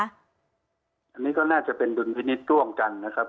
อันนี้ก็น่าจะเป็นดุลพินิษฐ์ร่วมกันนะครับ